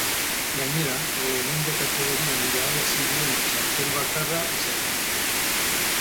Gainera, lehenengo kategorian irabazi duen txartel bakarra izan da.